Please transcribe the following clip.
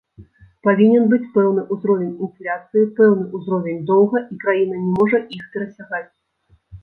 Павінен быць пэўны ўзровень інфляцыі, пэўны ўзровень доўга, і краіна не можа іх перасягаць.